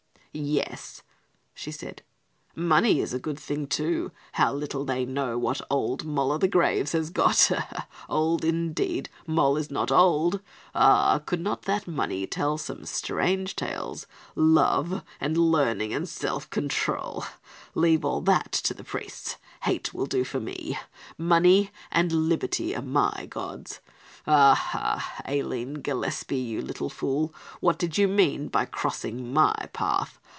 "Yes," she said, "money is a good thing, too. How little they know what 'old Moll o' the graves' has got, old, indeed, Moll is not old! Ah, could not that money tell some strange tales? Love and learning and self control! Leave all that to the priests. Hate will do for me, money and liberty are my gods. "Aha, Aline Gillespie, you little fool, what do you mean by crossing my path?